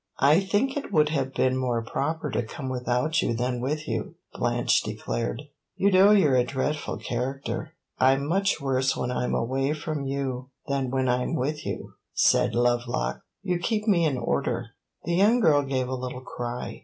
"I think it would have been more proper to come without you than with you," Blanche declared. "You know you 're a dreadful character." "I 'm much worse when I 'm away from you than when I 'm with you," said Lovelock. "You keep me in order." The young girl gave a little cry.